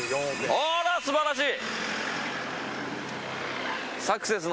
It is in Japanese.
あら、素晴らしい！